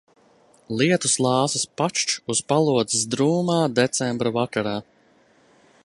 Lietus lāses pakšķ uz palodzes drūmā decembra vakarā.